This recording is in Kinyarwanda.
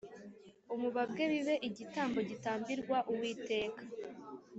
umubabwe bibe igitambo gitambirwa Uwiteka